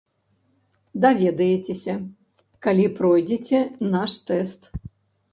Даведаецеся, калі пройдзеце наш тэст.